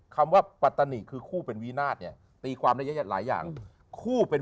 คำว่าปรัตนิกคือคู่เป็นวินาทเนี่ยตีความได้หลายอย่างคู่เป็น